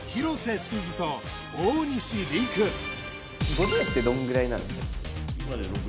５０ってどんぐらいなんですか？